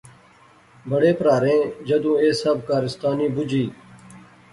بڑے پراہریں جدوں ایہہ سب کارستانی بجی